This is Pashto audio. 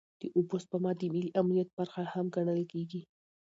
د اوبو سپما د ملي امنیت برخه هم ګڼل کېږي.